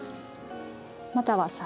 または酒。